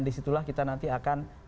disitulah kita nanti akan